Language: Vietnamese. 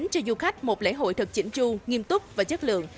thật chỉnh chu nghiêm túc và chất lượng